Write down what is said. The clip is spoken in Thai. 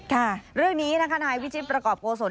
ค่ะเรื่องนี้นะคะนายวิชิตประกอบโกศล